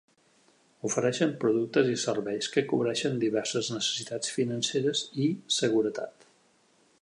Ofereixen productes i serveis que cobreixen diverses necessitats financeres i seguretat.